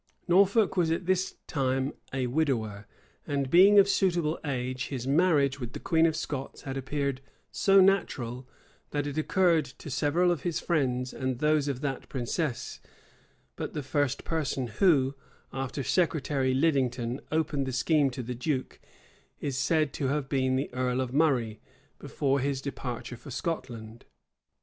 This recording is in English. Norfolk was at this time a widower; and being of a suitable age, his marriage with the queen of Scots had appeared so natural, that it occurred to several of his friends and those of that princess: but the first person who, after Secretary Lidington, opened the scheme to the duke, is said to have been the earl of Murray, before his departure for Scotland.